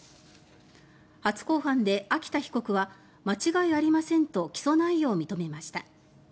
初公判で秋田被告は間違いありませんと起訴内容を認めました。